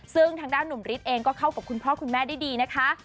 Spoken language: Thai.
ซึ่งทางด้านหนุ่มฤทธิ์เองก็เข้ากับคุณพ่อคุณแม่ได้ดีนะคะ